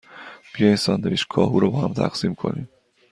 بیا این ساندویچ کاهو را باهم تقسیم کنیم.